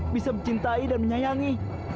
bisa mencintai dan menyayangi